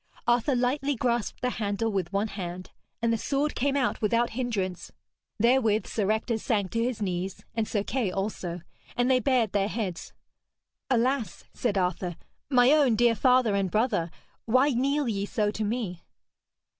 Arthur lightly grasped the handle with one hand, and the sword came out without hindrance. Therewith Sir Ector sank to his knees, and Sir Kay also. And they bared their heads. 'Alas,' said Arthur, 'my own dear father and brother, why kneel ye so to me?'